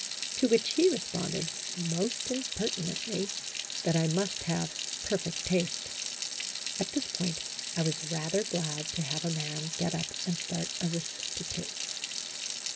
To which he responded, most impertinently, that I must have per fect taste. At this point I was rather glad to have a man get up and start a recitative.